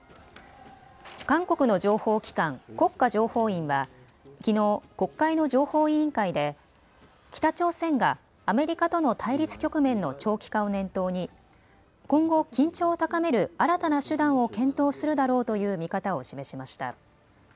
韓国の情報機関、国家情報院はきのう国会の情報委員会で北朝鮮がアメリカとの対立局面の長期化を念頭に今後、緊張を高める新たな手段を検討するだろうという見方を示しました。